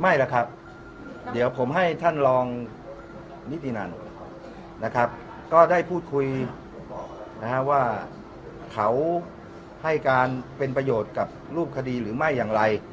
ไม่หรอกครับเดี๋ยวผมให้ท่านรองนิตินันนะครับก็ได้พูดคุยนะฮะว่าเขาให้การเป็นประโยชน์กับรูปคดีหรือไม่อย่างไร